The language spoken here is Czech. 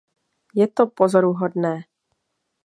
Je to pozoruhodné.